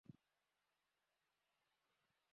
যেখানে আমি ভাড়া দিই, ঠিক সেটাই।